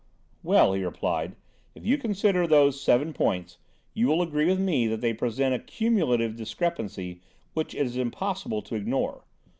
"Well," he replied, "if you consider those seven points, you will agree with me that they present a cumulative discrepancy which it is impossible to ignore.